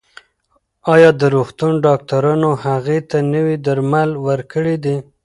ایا د روغتون ډاکټرانو هغې ته نوي درمل ورکړي دي؟